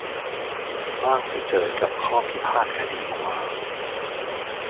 บ้างจะเจอกับข้อพิพาทคดีความ